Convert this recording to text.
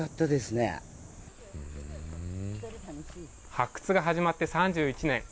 発掘が始まって３１年。